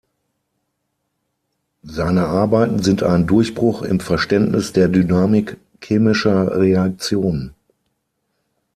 Seine Arbeiten sind ein Durchbruch im Verständnis der Dynamik chemischer Reaktionen.